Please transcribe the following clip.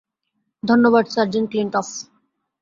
ধন্যবাদ, সার্জেন্ট ক্লিনটফ।